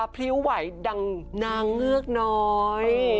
พริ้วไหวดังนางเงือกน้อย